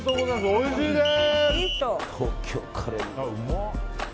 おいしいです！